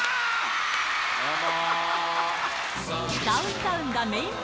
どうも。